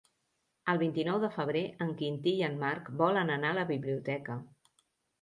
El vint-i-nou de febrer en Quintí i en Marc volen anar a la biblioteca.